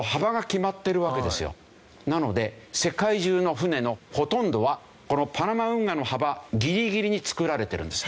なので世界中の船のほとんどはこのパナマ運河の幅ギリギリに造られてるんですよ。